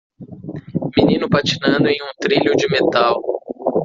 Menino patinando em um trilho de metal.